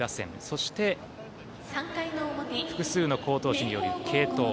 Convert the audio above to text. そして、複数の好投手による継投。